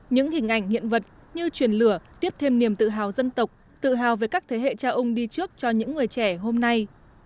những hình ảnh hiện vật như truyền lửa tiếp thêm niềm tự hào dân tộc tự hào về các thế hệ cha ông đi trước cho những người trẻ hôm nay